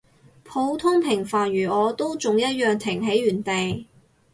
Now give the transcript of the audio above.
普通平凡如我，都仲一樣停喺原地